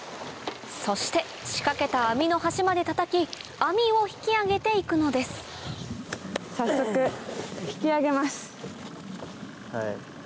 そして仕掛けた網の端までたたき網を引きあげて行くのです早速引きあげます。